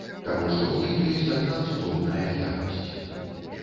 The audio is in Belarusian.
Таму што ў іх ёсць адна цудоўная якасць.